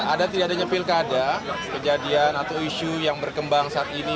ada tidak adanya pilkada kejadian atau isu yang berkembang saat ini